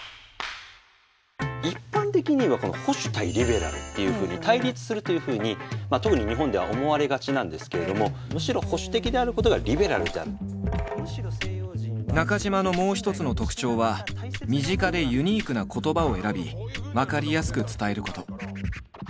一般的に言えばこの「保守対リベラル」っていうふうに対立するというふうに特に日本では思われがちなんですけれどもむしろ中島のもう一つの特徴は身近でユニークな言葉を選び分かりやすく伝えること。